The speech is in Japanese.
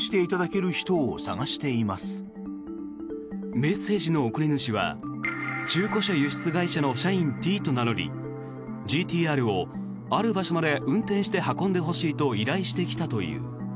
メッセージの送り主は中古車輸出会社の社員Ｔと名乗りＧＴ−Ｒをある場所まで運転して運んでほしいと依頼してきたという。